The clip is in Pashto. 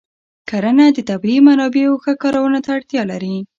کرنه د طبیعي منابعو ښه کارونه ته اړتیا لري.